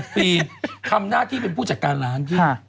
ปีทำหน้าที่เป็นผู้จัดการร้านพี่